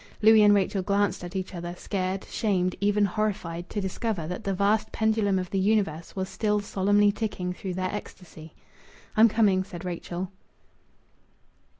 Louis and Rachel glanced at each other, scared, shamed, even horrified, to discover that the vast pendulum of the universe was still solemnly ticking through their ecstasy. "I'm coming," said Rachel.